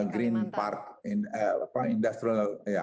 green park apa industrial ya